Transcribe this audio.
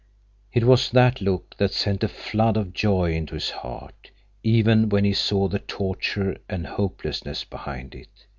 It was that look that sent a flood of joy into his heart, even when he saw the torture and hopelessness behind it.